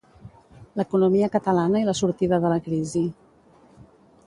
L'economia catalana i la sortida de la crisi.